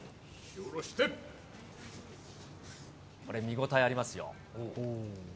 これ見応えありますよ。